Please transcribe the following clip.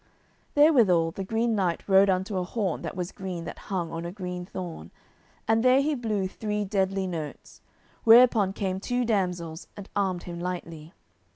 Therewithal the Green Knight rode unto a horn that was green that hung on a green thorn, and there he blew three deadly notes, whereupon came two damsels and armed him lightly.